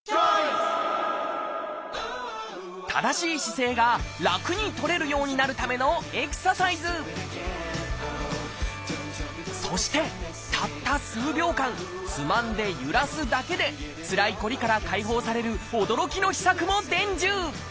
正しい姿勢が楽にとれるようになるためのそしてたった数秒間つまんでゆらすだけでつらいこりから解放される驚きの秘策も伝授！